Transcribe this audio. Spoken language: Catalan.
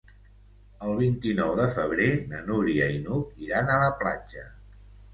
El vint-i-nou de febrer na Núria i n'Hug iran a la platja.